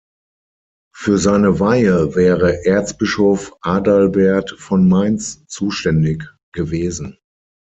Für seine Weihe wäre Erzbischof Adalbert von Mainz zuständig gewesen.